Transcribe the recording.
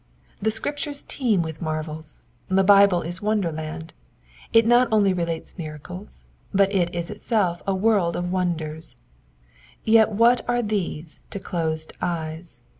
The Scriptures teem with marvels ; the Bible is wonder land ; it not only relates miracles, but it is itself a world of wonders. Yet what are these to closed eyes